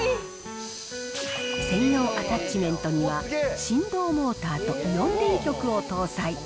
専用アタッチメントには、振動モーターとイオン電極を搭載。